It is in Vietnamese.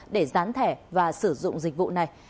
để gián thẻ và sử dụng dịch vụ này